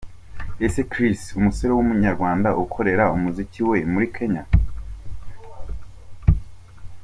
Eze Chris, umusore w'umunyarwanda ukorera umuziki we muri Kenya.